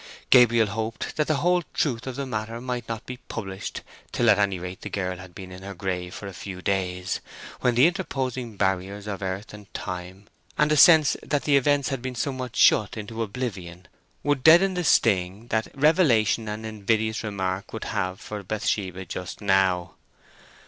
Gabriel hoped that the whole truth of the matter might not be published till at any rate the girl had been in her grave for a few days, when the interposing barriers of earth and time, and a sense that the events had been somewhat shut into oblivion, would deaden the sting that revelation and invidious remark would have for Bathsheba just now.